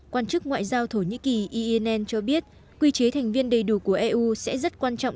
quan chức ngoại giao thổ nhĩ kỳ einn cho biết quy chế thành viên đầy đủ của eu sẽ rất quan trọng